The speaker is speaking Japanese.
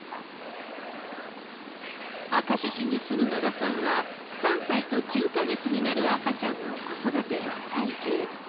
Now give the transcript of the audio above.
明石市に住む野田さんは、３歳と９か月になる赤ちゃんの子育て真っ最中。